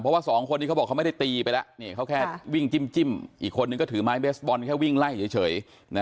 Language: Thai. เพราะว่าสองคนนี้เขาบอกเขาไม่ได้ตีไปแล้วเขาแค่วิ่งจิ้มอีกคนนึงก็ถือไม้เบสบอลแค่วิ่งไล่เฉย